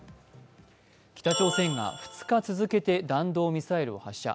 北朝鮮が２日続けて弾道ミサイルを発射。